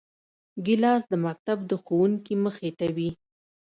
ګیلاس د مکتب د ښوونکي مخې ته وي.